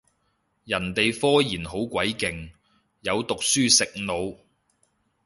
人哋科研好鬼勁，有讀書食腦